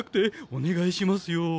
お願いしますよ。